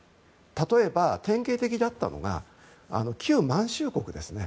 例えば、典型的だったのが旧満州国ですね。